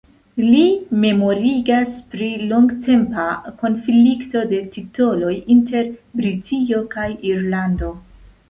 Li memorigas pri longtempa konflikto de titoloj inter Britio kaj Irlando.